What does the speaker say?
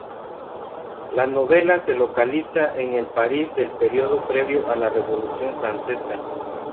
La novela se localiza en el París del periodo previo a la Revolución francesa.